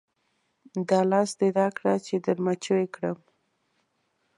دا لاس دې راکړه چې در مچو یې کړم.